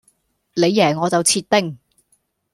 你贏我就切丁